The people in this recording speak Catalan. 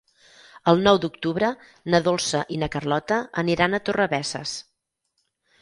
El nou d'octubre na Dolça i na Carlota aniran a Torrebesses.